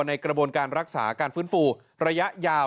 ในกระบวนการรักษาการฟื้นฟูระยะยาว